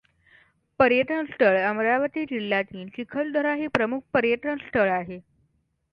पर्यटनस्थळ अमरावती जिल्ह्यातील चिखलदरा हे प्रमुख पर्यटनस्थळ आहे.